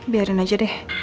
biarin aja deh